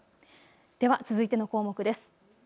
では続いての項目です。